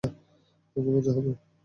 খুব মজা হবে।